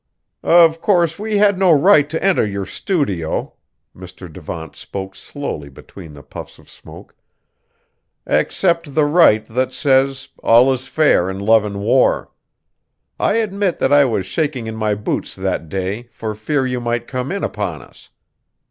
"Of course we had no right to enter your studio," Mr. Devant spoke slowly between the puffs of smoke, "except the right that says all is fair in love and war. I admit that I was shaking in my boots that day for fear you might come in upon us.